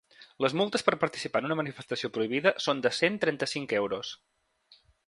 Les multes per participar en una manifestació prohibida són de cent trenta-cinc euros.